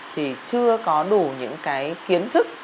thì chưa có đủ những kiến thức